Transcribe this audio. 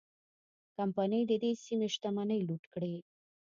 کمپنۍ د دې سیمې شتمنۍ لوټ کړې.